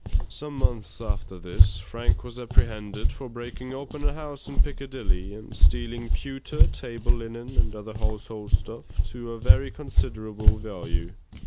Some months after this, Frank was apprehended for breaking open a house in Piccadilly and stealing pewter, table linen, and other household stuff to a very considerable value.